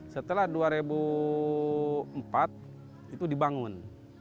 setelah dua ribu empat itu dibangun